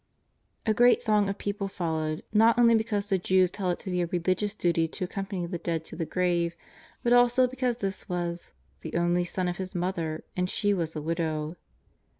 A great throng of people followed, not only because the Jews held it to be a religious duty to accompany the dead to the grave, but also because this was ^' the only son of his mother, and she w^as a widow."